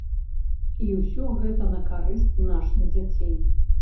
І ўсё гэта на карысць нашых дзяцей.